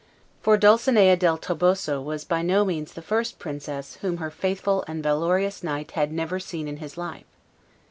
For Dulcinea del Toboso was by no means the first princess whom her faithful and valorous knight had never seen in his life.